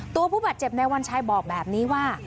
ผู้บาดเจ็บในวันชัยบอกแบบนี้ว่า